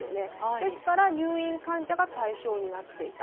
ですから入院患者が対象になっていた。